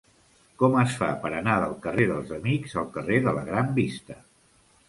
Com es fa per anar del carrer dels Amics al carrer de la Gran Vista?